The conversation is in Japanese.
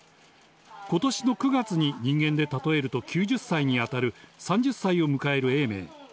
今年の９月に人間で例えると９０歳に当たる３０歳を迎える永明。